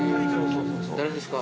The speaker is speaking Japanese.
◆誰ですか。